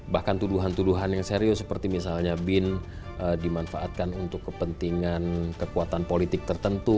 bahkan tuduhan tuduhan yang serius seperti misalnya bin dimanfaatkan untuk kepentingan kekuatan politik tertentu